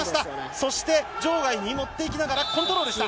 そして場外に持っていきながらコントロールした。